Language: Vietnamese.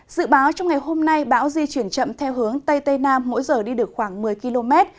dự báo trong ngày hôm nay bão di chuyển chậm theo hướng tây tây nam mỗi giờ đi được khoảng một mươi km